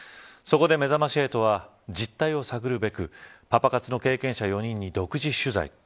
そこで、めざまし８は実態を探るべくパパ活の経験者４人に独自取材。